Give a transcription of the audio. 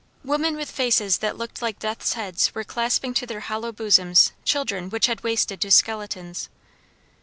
Women with faces that looked like death's heads were clasping to their hollow bosoms children which had wasted to skeletons.